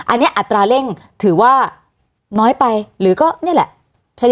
อันนี้อัตราเร่งถือว่าน้อยไปหรือก็นี่แหละ